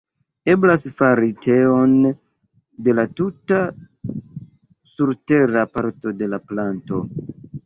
Eblas fari teon de la tuta surtera parto de la planto.